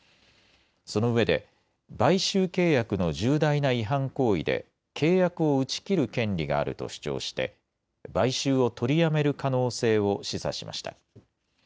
そのうえで買収契約の重大な違反行為で契約を打ち切る権利があると主張して買収を取りやめる可能性を示唆しました。